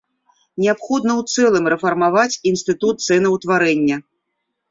Неабходна ў цэлым рэфармаваць інстытут цэнаўтварэння.